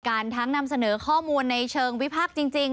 ทั้งนำเสนอข้อมูลในเชิงวิพากษ์จริง